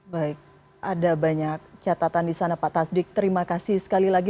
baik ada banyak catatan di sana pak tasdik terima kasih sekali lagi